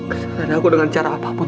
kesalahan aku dengan cara apapun